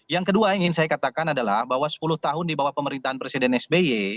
yang kedua ingin saya katakan adalah bahwa sepuluh tahun di bawah pemerintahan presiden sby